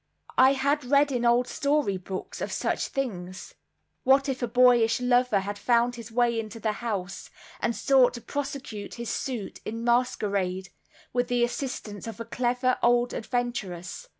I had read in old storybooks of such things. What if a boyish lover had found his way into the house, and sought to prosecute his suit in masquerade, with the assistance of a clever old adventuress.